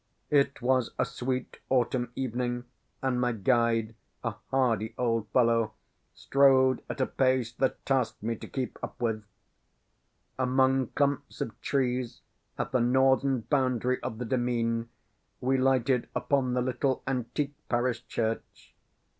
It was a sweet autumn evening, and my guide, a hardy old fellow, strode at a pace that tasked me to keep up with. Among clumps of trees at the northern boundary of the demesne we lighted upon the little antique parish church.